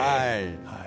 はい。